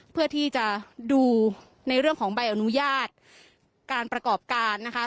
เพื่อที่จะดูในเรื่องของใบอนุญาตการประกอบการนะคะ